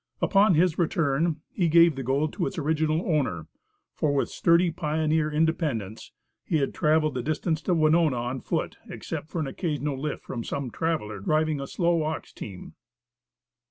Upon his return, he gave the gold to its original owner, for with sturdy pioneer independence, he had traveled the distance to Winona on foot, except for an occasional lift from some traveler, driving a slow ox team.